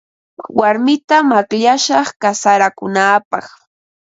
Warmitam akllashaq kasarakunaapaq.